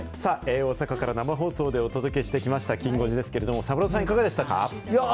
大阪から生放送でお届けしてきました、きん５時ですけれども、サブローさんいかがでしたか？